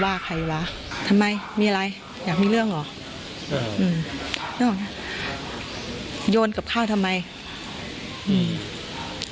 ว่าใครวะทำไมมีอะไรอยากมีเรื่องหรออืมโยนกับข้าวทำไมอืม